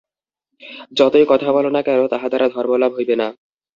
যতই কথা বল না কেন, তাহা দ্বারা ধর্মলাভ হইবে না।